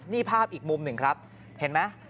นี่ภาพอีกมุมหนึ่งครับเห็นไหม